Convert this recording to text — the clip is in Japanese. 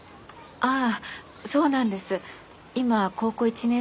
ああ。